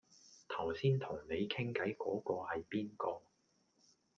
頭先同你傾偈嗰嗰係邊個